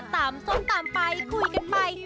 ตามส้มตามไปคุยกันไป